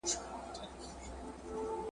چي مو شپې په روڼولې چي تیارې مو زنګولې !.